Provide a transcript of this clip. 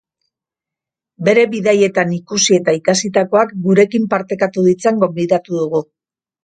Bere bidaietan ikusi eta ikasitakoak gurekin partekatu ditzan gonbidatu dugu.